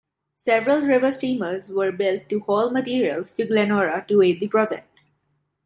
Several river steamers were built to haul materials to Glenora to aid the project.